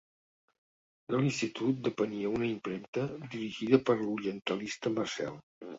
De l'Institut depenia una impremta dirigida per l'orientalista Marcel.